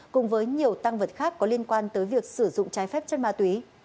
cùng với nhiều tăng vật khác có liên quan tới việc sử dụng trái phép chất ma túy